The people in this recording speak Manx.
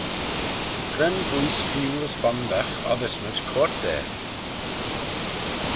Cre'n booise feeu as fondagh oddysmayd coyrt da?